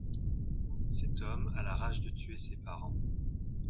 Cet homme a la rage de tuer ses parens.